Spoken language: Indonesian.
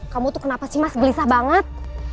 kamu tuh kenapa sih mas gelisah banget